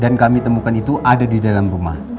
dan kami temukan itu ada di dalam rumah